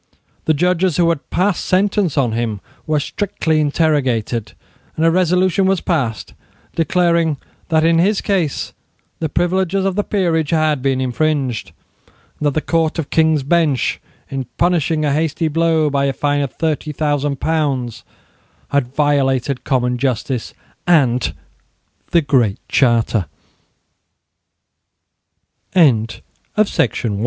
The judges who had passed sentence on him were strictly interrogated; and a resolution was passed declaring that in his case the privileges of the peerage had been infringed, and that the Court of King's Bench, in punishing a hasty blow by a fine of thirty thousand pounds, had violated common justice